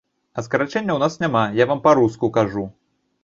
А скарачэнняў у нас няма, я вам па-руску кажу.